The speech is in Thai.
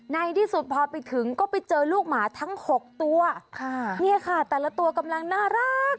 ในที่สุดพอไปถึงก็ไปเจอลูกหมาทั้งหกตัวค่ะเนี่ยค่ะแต่ละตัวกำลังน่ารัก